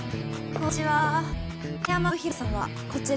こんにちは。